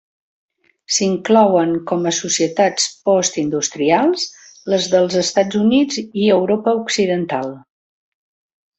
S'inclouen com a societats postindustrials les dels Estats Units i Europa Occidental.